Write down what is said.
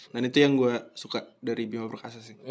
dan itu yang gue suka dari bima perkasa sih